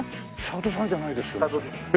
佐渡さんじゃないですよね？